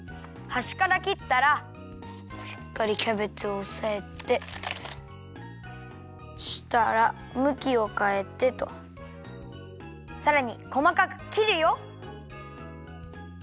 はしからきったらしっかりキャベツをおさえてそしたらむきをかえてとさらにこまかくきるよ。